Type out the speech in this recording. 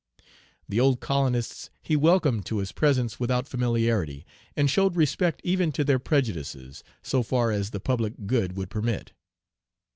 The old colonists he welcomed to his presence without familiarity, and showed respect even to their prejudices, so far as the public good would permit.